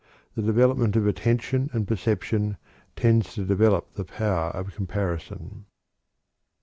The development of attention and perception tends to develop the power of comparison.